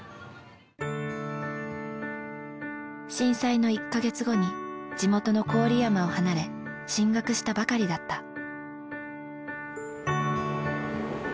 震災の１か月後に地元の郡山を離れ進学したばかりだった。